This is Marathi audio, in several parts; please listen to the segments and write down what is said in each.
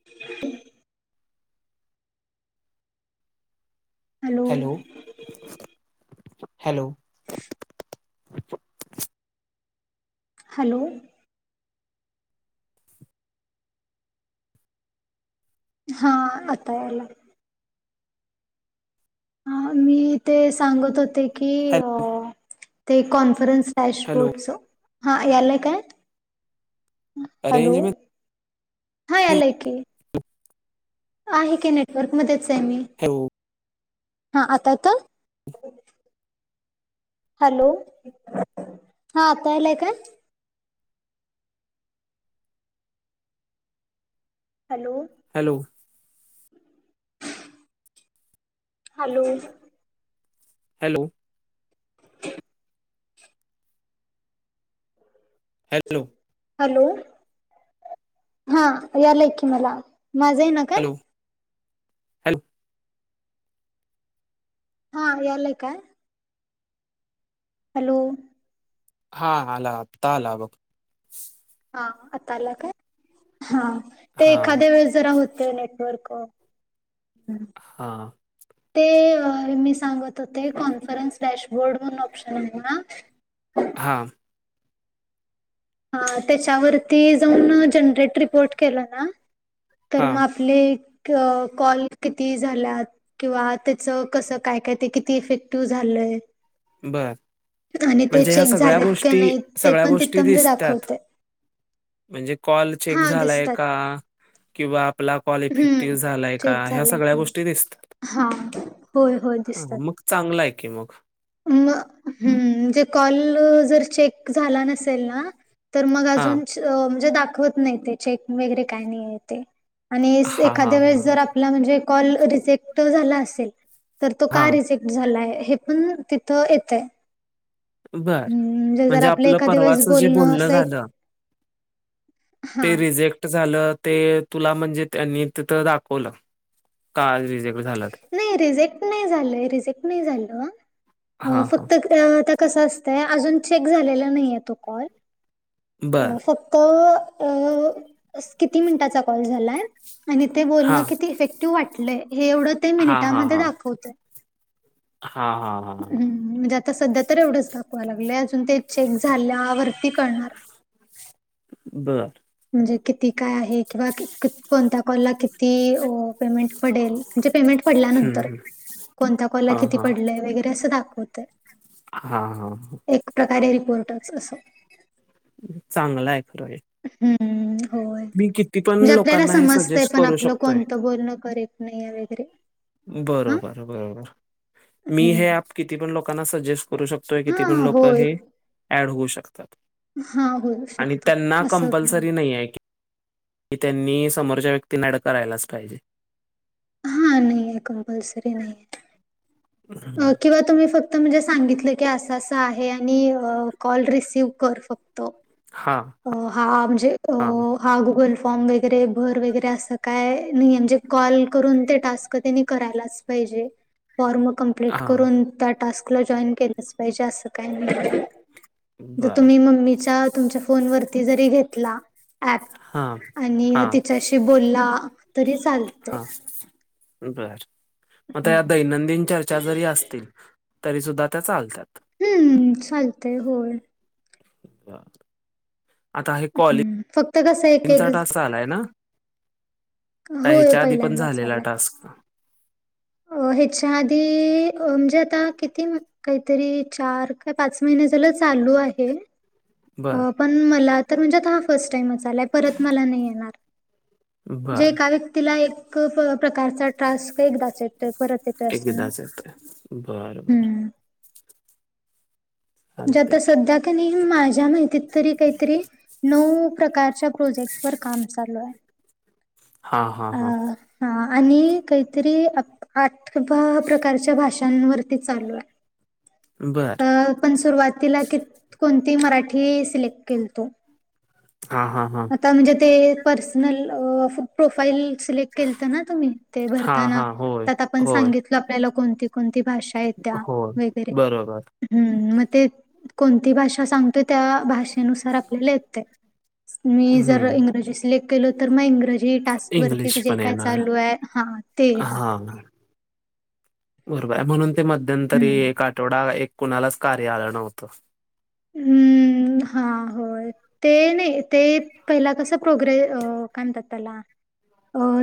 ह [unintelligible] हॅलो हॅलो हॅलो हा आतां यांला ह मी ते सांगत होते की हॅ ते कॉन्फरन्स फॅश हॅलो बोर्डच हा यांला कायं रेंज हॅलो हां मध्ये आलांय की आहे की नेटवर्क मध्येचं आहे मी हॅलो हा आतां तरं हॅलो हां आतां आलांय कायं hello hello hello hello hello hello हा यालाय ककी मला माझा आहे ना का हॅलो हॅलो हा यालाय काय हॅलो हा आला आत्ता आला बघ हा आता आला काय ह ते हा एखाद्या वेळेस जरा होते नेटवर्क हा ते मी सांगत होते कॉन्फरन्स डॅशबोर्ड म्हणून ऑप्शन आहे ना हा हा त्याच्यावरती जाऊन जनरेट रिपोर्ट केलं ना तर म हा आप ले कॉल किती झाल्यात किंवा त्याच कसं काय काय ते किती इफेक्टिव्ह झालंय. बर आणि ते म्हणजे ह्या चेक सगळ्या झालेत की गोष्टी नाही ते सगळ्या पण गोष्टी तिथं म्हणजे दा दिसतात म्हणजे कॉल चेक हा झालाय दिसतात का किंवा आपला कॉल हम्म इफेक्टिव्ह झालाय का चेक ह्या झालंय सगळ्या का नाही गोष्टी दिसता हा होय होय दिसतात. चांगला आहे की मग म जे म्हणजे कॉल जर चेक झाला नसेल ना तर मग हा अजून म्हणजे दाखवत नाही ते चेक वगैरे काय नाही ते. आणि हा हा एखाद्या वेळेस हा हा जर आपला म्हणजे कॉल रिजेक्ट झाला असेल तर तो हा का रिजेक्ट झाला आहे हे पण तिथं येतय. बर जर म्हणजे आपलं एखाद्या वेळेस परवाच जे बोलणं असं एक झालं हा ते रिजेक्ट झालं ते तुला म्हणजे त्यांनी तिथ दाखवलं का रिजेक्ट झालं ते नाही रिजेक्ट नाही झालय रिजेक्ट नाही झालं हा हा फक्त आता कसं असतंय अजून चेक झालेला नाहीय तो कॉल बर फक्त किती मिनिटाचा कॉल झालाय. आणि ते हा बोलणं किती इफेक्टिव्ह वाटलंय हे एवढं ते हा हा मिनिटामध्ये हा दाखवतय. हा हा हा हा म्हणजे आता सध्या तर एवढंच दाखवा लागलंय अजून ते चेक झाल्यावरती करळणार. बरं! म्हणजे किती काय आहे किंवा कोणत्या कॉलला किती पेमेंट पडेल म्हणजे पेमेंट हम्म पडल्यानंतर हम्म. कोणत्या कॉलला हा किती हा पडलंय वगैरे असं दाखवत. हा हा. एक प्रकारे रिपोर्टच असं. चांगला आहे खरं हे. हम्म! होय मी किती पण म्हणजे आपल्याला लोकांना हे समजतय सजेस्ट पण करू आपलं शकतोय कोणतं बोलणं करेक्ट नाही आहे वगैरे. हां, बरोबर बरोबर मी हम्म. हे ऍप किती पण लोकांना सजेस्ट करू शकतो? तोय किती हा पण लोक होय हे ऍड होऊ शकतात. हा होऊ आणि शकतात त्यांना असं काय कंपल्सरी नाहीये. की त्यांनी समोरच्या व्यक्तींना ऍड करायलाच पाहिजे. हा नाही कंपलसरी नाहीयेत. हम्म. किंवा तुम्ही फक्त क्त म्हणजे सांगितलं की असं असं आहे आणि कॉल रिसीव कर फक्त. हा! हा म्हणजे हा गुगल फॉर्म वगैरे भर वगैरे असं काय नई म्हणजे कॉल करून ते टास्क त्यांनी करायलाच पाहिजे फॉर्म कंप प्लिट हा करून त्या टास्कला जॉईन केलंच पाहिजे अस काही नाही. जर बर तुम्ही मम्मीचा तुमच्या फोन वरती जरी घेतला. ऍप, हां आणि तिच्याशी बोलला. तरी चालतंय. हा बर! मग हम्म. त्या दैनंदिन चर्चा जरी असतील तरी सुद्धा त्या चालतात. हम्म चालतय होय. बर! आता हे हम्म. फक्त कसं एक एक कॉलिंगचा टास्क आलाय ना? का होय ह्याच्या आधी पण पहिल्यांदाच झालेला आलाय. टास्क? अ ह्याच्या आधी अ म्हणजे आता किती काहीतरी चार का पाच महिने झालं चालू आहे. बर पण मला तर म्हणजे हा फर्स्ट टाईमच आलाय परत मला नाही येणार जे बर एका व्यक्तीला एक प्रकारचा टास्क एकदाच येतोय परत येत असत नाही एकदाच येतोय बर बर हम्म म्हणजे चालतंय आता की सध्या क नयी माझ्या त्या माहितीत तरी काहीतरी नऊ प्रकारच्या प्रोजेक्ट वर काम चालू आहे हा हा अ हा हा आणि काहीतरी अक आठ भ प्रकारच्या भाषांवरती चालू आहे बर अ पण सुरुवातीला किती कोणती मराठी सिलेक्ट केलतो हा हा हा आता म्हणजे ते पर्सनल अ फ प्रोफाईल सिलेक्ट केलता ना तुम्ही ते हां भरताना हां होय त्यात आपण होय सांगितल आपल्याला कोणती कोणती भाषा येत्या होय वगैरे बरोबर हम्म मग ते कोणती भाषा सांगतोय त्या भाषेनुसार आपल्याला येतय मी जर हं इंग्रजी सिलेक केलो तर मग इंग्रजी टास्क वरती इंग्लिश जे पण काय येणार चालू आहे हा ते येणार हां बरोबर आहे म्हणून ते मध्यंतरी हम्म. एक आठवडा एक कुणालाच कार्य आलं नव्हतं हम्म हा होय ते नाही ते पहिला कसं प्रोग्रे काय म्हणतात त्याला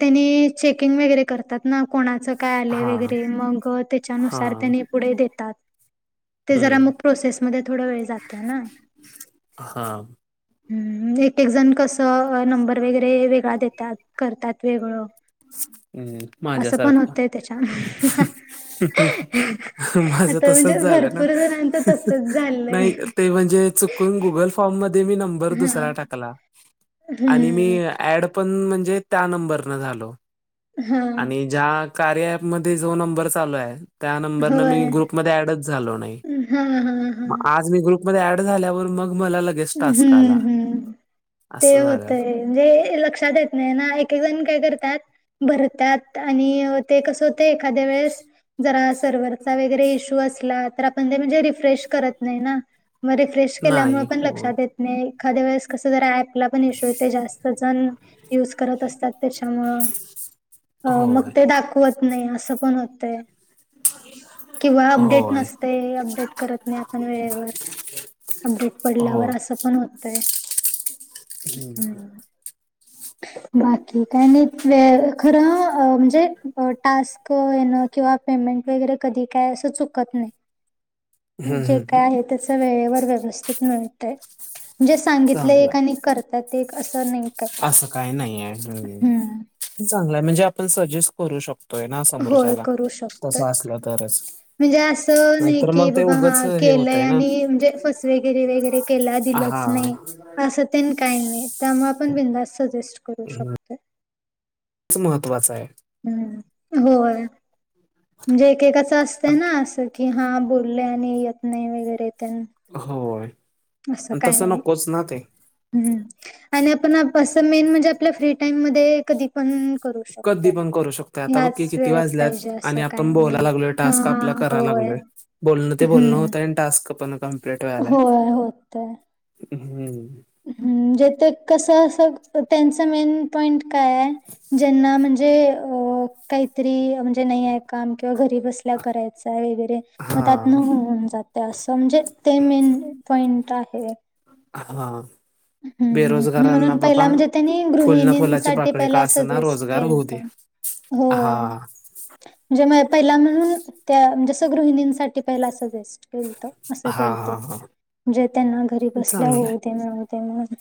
त्यांनी चेकिंग वैगरे करतात ना कोणाचं काय आलं हां वगैरे मग त्याच्यानुसार हां त्याने पुढे देतात ते जरा हम्म. मग प्रोसेसमध्ये थोडा वेळ जा आता ना हा. हं एक एक जण कस अ अ नंबर वगैरे वेगळा देत्यात करतात वेगळं हम् माझ्या असं पण सारखं होतंय त्याच्या हं हं माझं आता तसच म्हणजे झालं ना भरपूर जणांचं तसच झालंय. नाही ते म्हणजे चुकून गुगल फॉर्म मध्ये मी नंबर हा. दुसरा टाकला आणि मी हम्म. ऍड पण म्हणजे त्या नंबरन झालो हा. आणि ज्या कार्या ऍप मध्ये जो नंबर चालू आहे त्या नंबरन मी होय. ग्रुपमध्ये ऍडच झालो नाही हा हा हा. म आज ग्रुप मध्ये ऍड झाल्यावर मग मला लगे हम्म हम्म ते असं झालं. होतंय म्हणजे लक्षात येत नाही ना एक एक जण काय करत्यात भरतात आणि ते कसं होते एखाद्या वेळेस जरा सर्व्हचा वगैरे इश्यू असला तर आपण ते म्हणजे रिफ्रेश करत नाही ना म रिफ्रेश रिफ्रेश केल्यामुळे नाही पण लक्षात होय. एखाद्या वेळेस कस ज ऍपला पण इश य जास्त जण युज करत असतात त्याच्यामुळं मग होय. ते दाखवत नाही असं पण होतं किंवा अपडेट होय. नसते अपडेट करत नाही आपण वेळेवर अपडेट हो. पडल्यावर असं पण होतय हं. ह बाकी का खरं म्हणजे टास् ण किंवा पेमेंट वगैरे कधी काय असं चुकत नाही हं, जे हं. काय आहे त्याच वेळेवर व्यवस्थित मिळतय म्हणजे सांगितलं चांगला. एक आणि करतात एक असं नाही काय काही नाही हम्म चांगला म्हणजे आपण सजेस्ट करू शकतो ोय ना होय समोरच्याला करू शकतोय तसं असलं तरच म्हणजे असं नाही नाहीतर कि मग ते बाबा उगच हा हे केलंय होतय ना आणि म्हणजे फस वगैरे वगैरे दिच हा नाही अस काही नाही त्यामुळे आपण बिनधास्त सजेस्ट करू शकतो च महत्वाचं आहे हम्म होय म्हणजे एकेकाचं असतं ना असं की हा बोलले आणि येत नाही वगैरे येत होय असं आणि काही तसं नाही नकोच ना ते ह आणि आपण असं मेन म्हणजे आपल्या फ्री टाइम मध्ये कधी पण करू कधी शकतोय. पण करू शकतोय आता बघ क ह्याच किती वेळेत पाहिजे वाजल्यात आणि असं काही आपण नाही बोलायला लागलोय हा टास्क आपला करायला होय. लागलोय बोलणं ते बोलण हम्म होतता आणि टास्कप क प्लेटलाय होय हम्म हम्जे कसं असं त्यांचं मेन पॉईंट काय आहे ज्यांना म्हणजे काहीतरी म्हणजे नाही आहे काम किंवा घरी बसून करायचा वगैरे मग त्यात न हा होऊन जाते असं म्हणजे ते मेन पॉइंट आहे हा हम्म बेरोजगारांना म्हणून बाबा पहिला म्हणजे त्यांनी फुल ना फुलाची गृहिणींसाठी पाकळी का पहिला असना सजेस्ट रोजगार होऊ केलत. दे हा म्हजे पहिला म्हणून त्या जसं गृहिणींसाठी पहिला असं बेस्ट अस हा के हा हा जे त्यांना घरी बसल्या चांगलंय होऊ दे तेमुळे्हा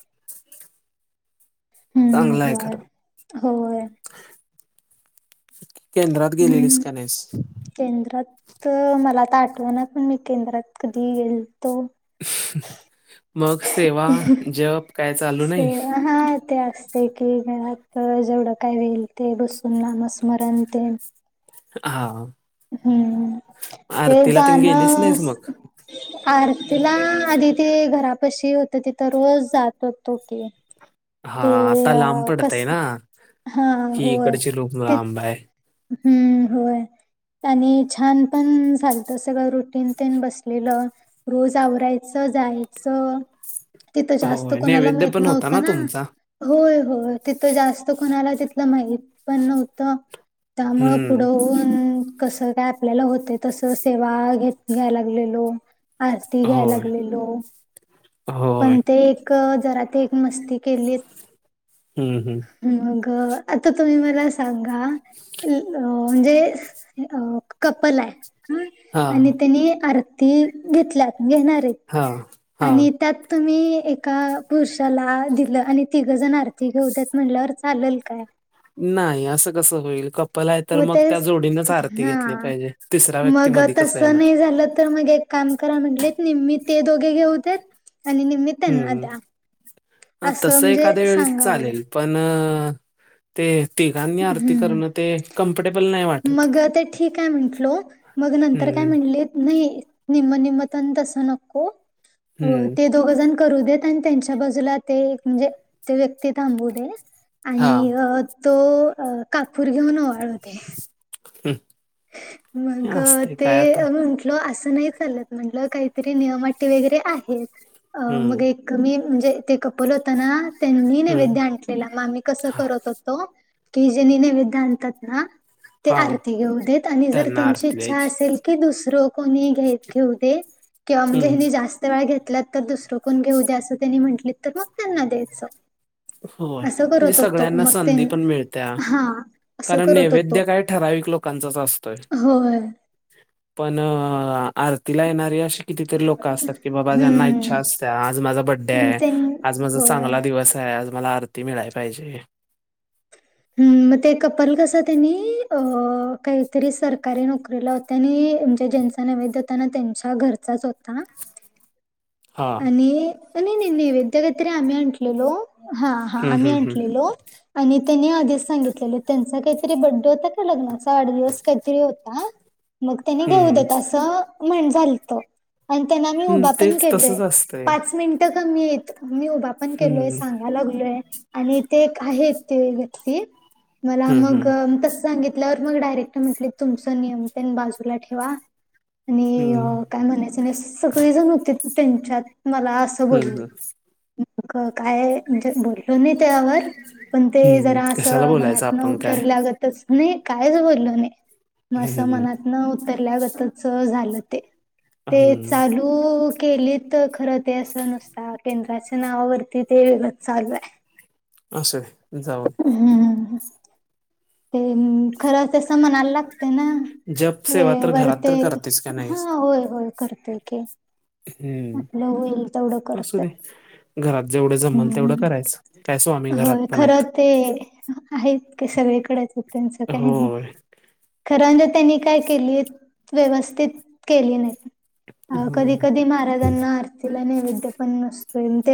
चांगलं आहे खरं केंद्रात गेलेली हम्म गणेश केंद्रात मला आ तर आठव ना पण मी केंद्रात कधी गेल तो मग सेवा जप काय चालू नाही सेवा हा ते असते एकी घरात जेवढं काय वेईल ते बसून नाम स्मरण ते हा हम्म ते आरतीला तेन गेलीच जाणं नाहीस मग आरतीला आधी ते घरापशी होत तिथ रोज जात होतो की हा ते आता लांब अ पडत कस आहे ना हा ही होय इकडची लूप ते लांब आहे हम्म होय आणि छान पण झालत सगळं रुटीन ते बसलेलं रोज आवरायचं जायचं तिथं जास्त होय कोणाला नैवेद्य माहत पण होता नव्हतं ना तुमचा होय होय तिथं जास्त कोणाला तिथलं माहित पण नव्हतं त्यामुं हम्म पुढं होून कसं काय आपल्याला होते तस सेवा घेत घ्यायला लागलेलो आरती घेय होय लागलेलो होय पण ते एक जरा ते एक मस्ती केली हम्म हम्म मगं आता तुम्ही मला सांगा म्हणजे अ कपल आहे. ह हा आणि त्यानी आरती घेतल्यात घेणार आहेत हा! हा आणि त्यात तुम्ही एका पुरुषाला दिलं आणि तिघं जण आरती घेऊद्यात म्हटल्यावर चालेल काय! नाही असं कसं होईल कप ल आहे तर व मग ते त्या जोडीनच आरती हा घेतली पाहिजे तिसरा व्यक्ती मग मधी कसं तसं येणार नाही झालं तर मग काम करा म्हटलेत मी ते दोघे घेऊत आणि त्यांना हम्म द्या असं तसं म्हणजे एखाद्या वेळेस सांगावलं चालेल पण ते तिघांनी आरती हम्म करणं ते कम्फर्टेबल नाही वाटत. मग ते ठीक आहे म्हंटलो मग नंतर काय हम्म म्हटले नाही निम्म निम्मत तस नको हम्म ते दोघजण करू देत आणि त्यांच्या बाजूला ते म्हणजे ते व्यक्ती थांबू दे हा आणि अ तो अ कापूर घेऊन ओवाळू होते हम्! मग ते म्हण म्ह अस नाही चालत म्हटलं काहीतरी नियमट वगैरे आहेत हम्म मग कमी म्हणजे ते कपल होताना त्यांनी नैवेद हम्म आणलेलं मग आम्ही कसं करत होतो केि जणी नैवेद आणतात ना ते हा आरती घेऊ देत आणि जर त्यांना त्यांची आरती इच्छा द्यायची असेल की दुसरं कोणी घ घेऊ दे किंवा म्हणजे हम्म हिनी जास्त वेळा घेतल्यात तर दुसरं कोण घेऊ द्या असं त्यांनी म्हटली तर मग त्यांना द्यायचं होय! असं म्हणजे करत होतो सगळ्यांना मग ते संधी पण मिळत्या हा असं कारण करत होतो नैवेद्य काय ठराविक लोकांचाच असतोय होय पण अ आरतीला येणारी अशी कितीतरी लोक असतात की बाबा ज्यांना इच्छा हम्म. असत्या आज माझा बड्डे हम्म, आहे त्यां आज माझा होय. चांगला दिवस ज मला आरती मिळाली पाहिजे. हम्म मग ते कपल कस त्यांनी अ काहीतरी सरकारी नोकरीला त्यांनी म्हणजे ज्यांचा नेवेदेतांना त्यांच्या घरचाच होता ना हा आणि नय नय नैवेद्य काहीतरी आम्ही आणटलेलो हा हा हम्म आम्ही हम्म हम्म आणटलेलो आणि त्यांनी आधीच सांगितलेलं त्यांचा काहीतरी बड्डे होता का लग्नाचा वाढ दिवस काहीतरी होता मग त्यांनी घेऊ हम्म देत असं म्हण झालंत आणि त्यांना आम्ही उभा पण केलोय असस्ते पाच मिनिटं कमी येत मी उभा पण केलोय हं, सांगा लागलोय आणि ते एक आहेत ते व्यक्ती मला हं, मग हं, तस सांगित ल्यावर मग डायरेक्टर म्हटले तुमच नियम त्यांनी बाजूला ठेवा हं, आणि काय म्हणायचं नाही सगळेजण होतेत त्यांच्यात मला अस हम्म हम्म मगं काय म्हणजे बोललो नाही त्यावर पण ते हं. जरा कशाला असं बोलायचं मनात न आपण काय? उतरल्यागतच नाही कायच बोललो नाही मं अस हं, मनात न उतरल्यागतच झालं ते ते हं, चालू केले खरं ते असं नसतात केंद्राच्या नावावरती ते वेगत चालूय असूदे जाऊन हम्म ते खर तसं म्हणायला त्यांना दे. जप सेवा वेळे तर घरात वरते तर करतेस का हा नाहीस? होय होय करतोय की आपलं होईल तेवढं हम्म असू करतोय. दे घरात जेवढे जमन तेवढं हम्म. करायच कायसो आम्ही घरात होय पण आहेत. खरं ते आहेत क सगळीकडेच आहेत त्यांचं काही नाही होय. खरंज त्यांनी काय केली व्यवस्थित केली नाही अ हं. कधी कधी महाराजांना आरतीला नैवेद्य पण नसतो ते